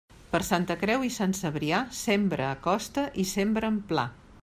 Per Santa Creu i Sant Cebrià, sembra a costa i sembra en pla.